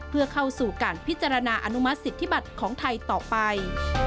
เพื่อเข้าสู่การพิจารณาอนุมัติสิทธิบัติของไทยต่อไป